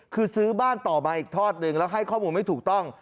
คือซื้อบ้านต่อมาอีกทอดหนึ่งแล้วให้ข้อมูลไม่ถูกต้อง